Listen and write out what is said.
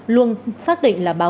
luôn xác định là báo cáo